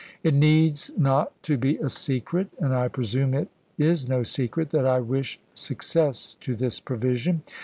It needs not to be a secret, and I presume it is no secret, that I wish success to this provision.